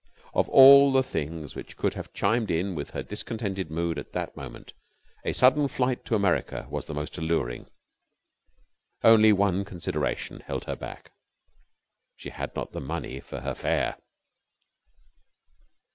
Of all the things which would have chimed in with her discontented mood at that moment a sudden flight to America was the most alluring. Only one consideration held her back she had not the money for her fare.